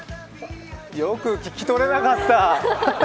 よく聞き取れなかった。